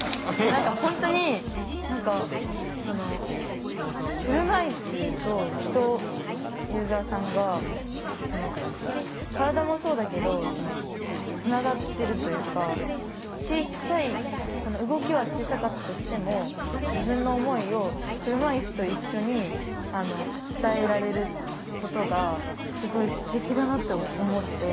何か本当に何かその車いすと人ユーザーさんが体もそうだけどつながってるというか小さい動きは小さかったとしても自分の思いを車いすと一緒に伝えられることがすごいすてきだなって思って。